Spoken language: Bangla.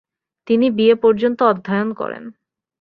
তিনি বিএ পর্যন্ত অধ্যয়ন করেন।